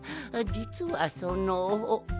じつはその。